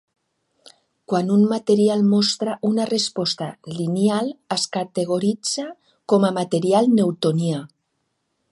Quan un material mostra una resposta lineal es categoritza com a material newtonià.